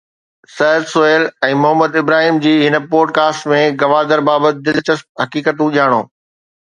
سعد سهيل ۽ محمد ابراهيم جي هن podcast ۾ Gwadar بابت دلچسپ حقيقتون ڄاڻو.